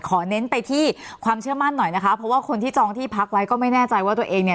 เน้นไปที่ความเชื่อมั่นหน่อยนะคะเพราะว่าคนที่จองที่พักไว้ก็ไม่แน่ใจว่าตัวเองเนี่ย